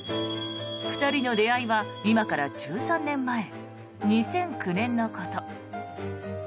２人の出会いは今から１３年前２００９年のこと。